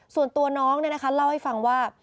ส่วนตัวน้องเนี่ยนะคะเล่าให้ฟังว่า